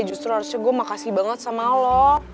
justru harusnya gue makasih banget sama lo